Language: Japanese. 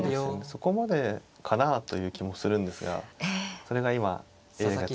そこまでかなあという気もするんですがそれが今ＡＩが。